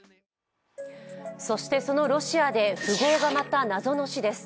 そしてそのロシアで富豪がまた謎の死です。